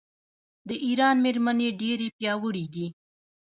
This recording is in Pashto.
د ایران میرمنې ډیرې پیاوړې دي.